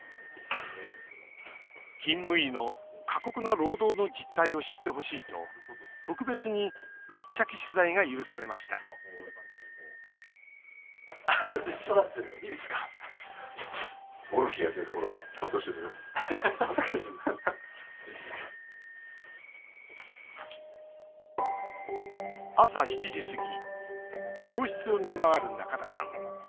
勤務医の過酷な労働の実態を知ってほしいと特別に密着取材が許されました朝７時過ぎ病室を見回る仲田さん。